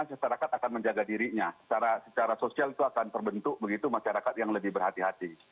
masyarakat akan menjaga dirinya secara sosial itu akan terbentuk begitu masyarakat yang lebih berhati hati